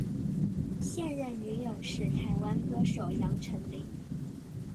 现任女友是台湾歌手杨丞琳。